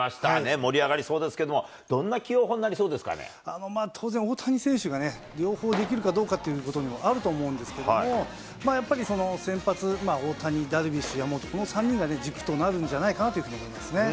盛り上がりそうですけども、当然、大谷選手が両方できるかどうかっていうこともあると思うんですけども、やっぱり、先発、大谷、ダルビッシュ、山本、この３人が軸となるんじゃないかなと思いますね。